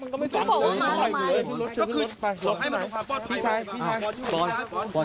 ก็คือหลอกให้มันถูกฟังปลอดภัย